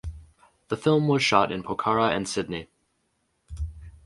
The film was shot in Pokhara and Sydney.